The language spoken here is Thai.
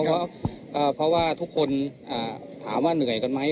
ครับเพื่อตูนเขาเพราะว่าทุกคนถามว่าเหนื่อยกันไหม